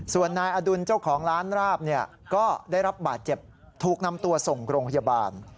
ส่วนนายอดุลเจ้าของร้านราบก็ได้รับบาดเจ็บถูกนำตัวส่งโรงพยาบาล